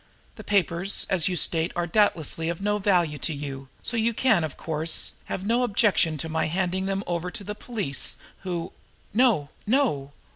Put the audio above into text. The papers, as you state, are doubtless of no value to you, so you can, of course, have no objection to my handing them over to the police, who " "No, no!